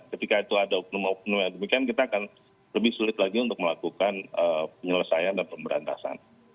ketika itu ada oknum oknum yang demikian kita akan lebih sulit lagi untuk melakukan penyelesaian dan pemberantasan